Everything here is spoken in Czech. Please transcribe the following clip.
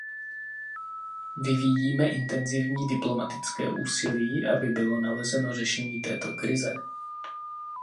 Vyvíjíme intenzivní diplomatické úsilí, aby bylo nalezeno řešení této krize.